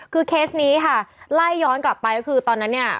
คือเคสนี้ค่ะไล่ย้อนกลับไปก็คือตอนนั้นเนี่ย